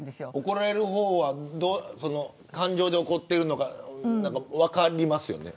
怒られる方は感情で怒っているのか分かりますよね。